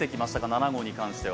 ７号に関しては。